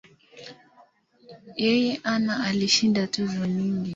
Yeye ana alishinda tuzo nyingi.